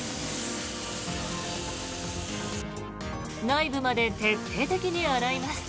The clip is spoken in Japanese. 内部まで徹底的に洗います。